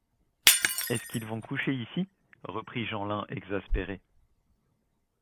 Est-ce qu’ils vont coucher ici? reprit Jeanlin exaspéré.